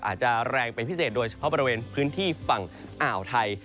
อาจจะแรงเป็นพิเศษโดยเฉพาะบริเวณพื้นที่ฝั่งอ่าวไทย